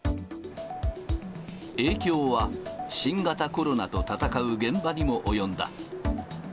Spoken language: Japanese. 影響は新型コロナと闘う現場にも及んだ。